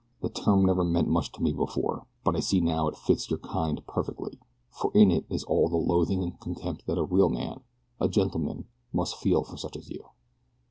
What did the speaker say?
The term never meant much to me before, but I see now that it fits your kind perfectly, for in it is all the loathing and contempt that a real man a gentleman must feel for such as you."